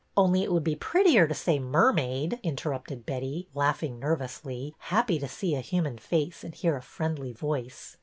Only it would be prettier to say mermaid," interrupted Betty, laughing nervously, happy to see a human face and hear a friendly voice.